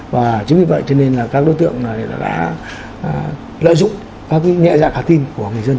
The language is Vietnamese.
và chính vì vậy cho nên là các đối tượng đã lợi dụng các cái nhẹ dạng hạ tin của người dân